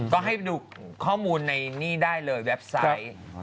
ก็ให้ไปดูข้อมูลในนี่ได้เลยเว็บไซต์